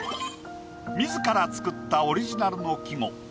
自ら作ったオリジナルの季語。